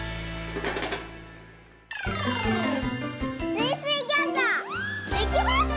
スイスイギョーザできました！